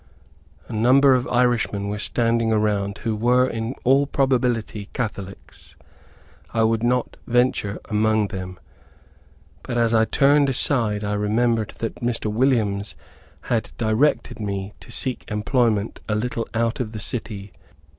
A number of Irishmen were standing around who were in all probability Catholics. I would not venture among them; but as I turned aside I remembered that Mr. Williams had directed me to seek employment a little out of the city.